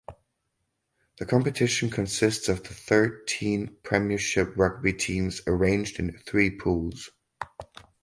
The competition consists of the thirteen Premiership Rugby teams arranged in three pools.